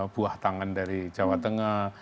buah tangan dari jawa tengah